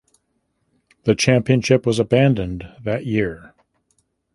The championship was abandoned that year.